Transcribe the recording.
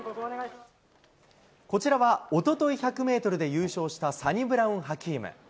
こちらはおととい、１００メートルで優勝したサニブラウン・ハキーム。